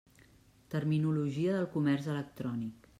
Terminologia del comerç electrònic.